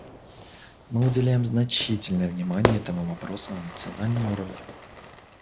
Мы уделяем значительное внимание этому вопросу на национальном уровне.